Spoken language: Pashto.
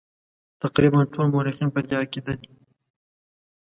تقریبا ټول مورخین په دې عقیده دي.